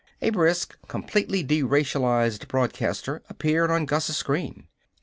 A brisk, completely deracialized broadcaster appeared on Gus's screen.